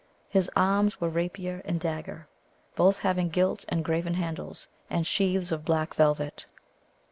His arms were rapier and dagger, both having gilt and graven handles, and sheaths of black velvet.